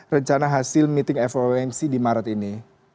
rencana hasil meeting fomc di maret ini